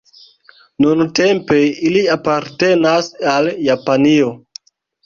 Nuntempe ili apartenas al Japanio.